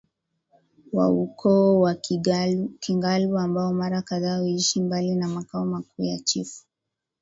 wa Ukoo wa Kingalu ambao mara kadhaa huishi mbali na makao makuu ya Chifu